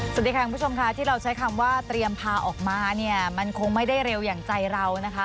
สวัสดีค่ะคุณผู้ชมค่ะที่เราใช้คำว่าเตรียมพาออกมาเนี่ยมันคงไม่ได้เร็วอย่างใจเรานะคะ